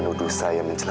delapan belas tahun penjara